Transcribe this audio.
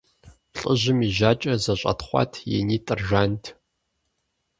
ЛӀыжьым и жьакӀэр зэщӀэтхъуат, и нитӀыр жант.